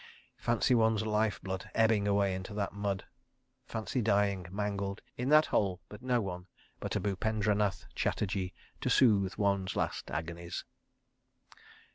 Fancy one's life blood ebbing away into that mud. Fancy dying, mangled, in that hole with no one but a Bupendranath Chatterji to soothe one's last agonies.